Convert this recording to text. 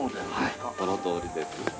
はいそのとおりです。